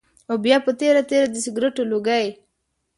او بيا پۀ تېره تېره د سګرټو لوګی